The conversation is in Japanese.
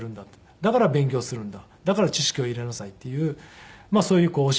だから勉強をするんだだから知識を入れなさいっていうまあそういう教えなんで。